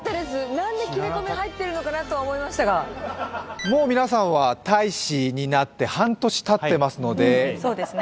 何で切れ込み入ってるのかなとは思いましたがもう皆さんは大使になって半年たってますのでうんそうですね